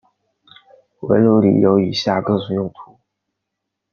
围炉里有以下各种用途。